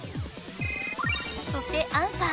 そしてアンカー！